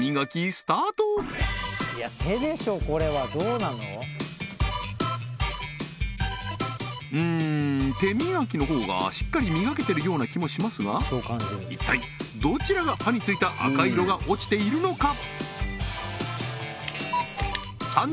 ではうーん手磨きの方がしっかり磨けているような気もしますが一体どちらが歯についた赤色が落ちているのか？